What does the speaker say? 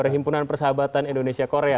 perhimpunan persahabatan indonesia korea